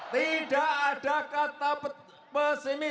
tidak ada kata pesimis